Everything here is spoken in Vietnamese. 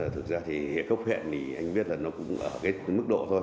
thực ra thì hệ cốc huyện thì anh biết là nó cũng ở cái mức độ thôi